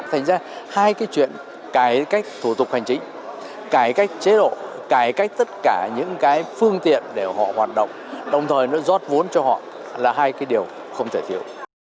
thành ra hai cái chuyện cải cách thủ tục hành chính cải cách chế độ cải cách tất cả những cái phương tiện để họ hoạt động đồng thời nó rót vốn cho họ là hai cái điều không thể thiếu